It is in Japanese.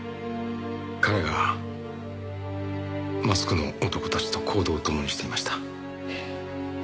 彼がマスクの男たちと行動を共にしていました。